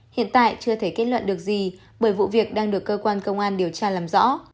hiện tại chưa thể kết luận được gì bởi vụ việc đang được cơ quan công an điều tra làm rõ